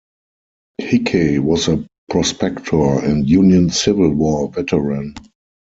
Hickey was a prospector and Union Civil War veteran.